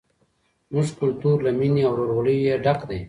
زموږ کلتور له مینې او ورورولۍ ډک دی.